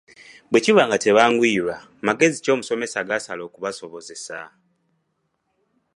Bwe kiba nga tebanguyirwa magezi ki omusomesa gaasala okubasobozesa?